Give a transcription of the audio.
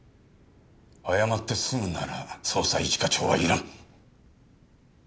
謝って済むなら捜査一課長はいらん！